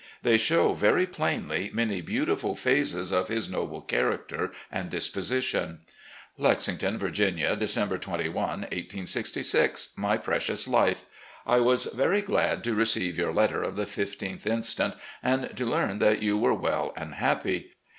They show very plainly many beautiful phases of his noble character and disposition : "Lexington, Virginia, December 2r, r866. "My Precious Life: I was very glad to receive your letter of the 15th inst., and to learn that you were well and happy.